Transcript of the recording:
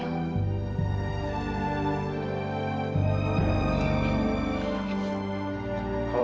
apa yang otak otak yang kita bawa